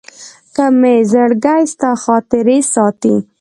که مي زړګي ستا خاطرې ساتي